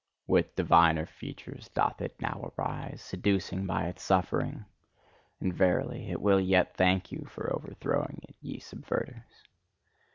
With diviner features doth it now arise, seducing by its suffering; and verily! it will yet thank you for o'erthrowing it, ye subverters!